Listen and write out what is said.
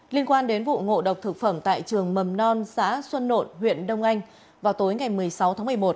liên quan đến vụ ngộ độc thực phẩm tại trường mầm non xã xuân nộn huyện đông anh vào tối ngày một mươi sáu tháng một mươi một